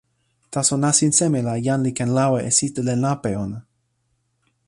taso nasin seme la jan li ken lawa e sitelen lape ona?